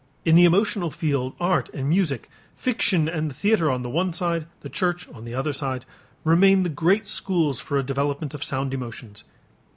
In the emotional field art and music, fiction and the theater on the one side, the church on the other side, remain the great schools for a development of sound emotions.